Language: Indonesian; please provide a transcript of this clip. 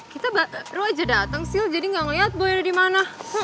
kita baru aja dateng sila jadi gak liat boy ada dimana